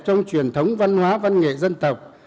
trong truyền thống văn hóa văn nghệ dân tộc